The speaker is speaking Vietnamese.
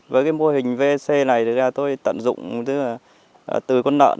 với cái mô hình vac này tôi tận dụng từ con nợn